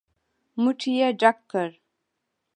موټ يې ډک کړ.